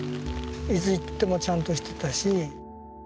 いつ行ってもちゃんとしてたし。